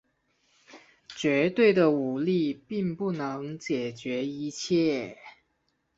绝对的武力并不能解决一切。